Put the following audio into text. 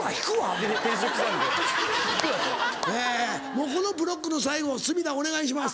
もうこのブロックの最後隅田お願いします。